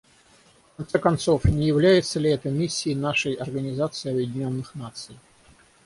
В конце концов, не является ли это миссией нашей Организации Объединенных Наций?